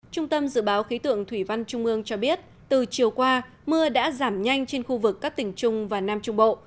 trung tâm dự báo khí tượng thủy văn trung ương cho biết từ chiều qua mưa đã giảm nhanh trên khu vực các tỉnh trung và nam trung bộ